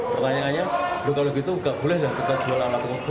pertanyaannya kalau begitu nggak boleh lah kita jual alat kontrasepsi